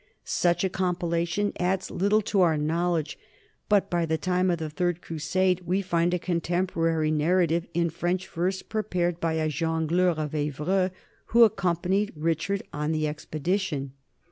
Such a compilation adds little to our knowledge, but by the time of the Third Crusade we find a contemporary narrative in French verse prepared by a jongleur of Evreux who accompanied Richard on the expedition.